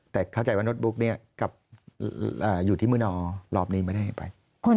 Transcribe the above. แต่เข้าใจว่าโน๊ตบุ๊คอยู่ที่หมื่นอรอบนี้ไม่ได้ไป